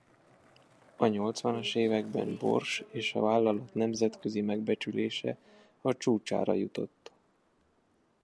A nyolcvanas években Bors és a vállalat nemzetközi megbecsülése a csúcsára jutott.